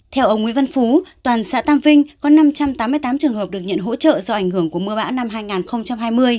theo ông nguyễn văn phú toàn xã tam vinh có năm trăm tám mươi tám trường hợp được nhận hỗ trợ do ảnh hưởng của mưa bão năm hai nghìn hai mươi